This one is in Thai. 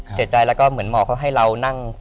เสียใจแล้วก็เหมือนหมอเขาให้เรานั่ง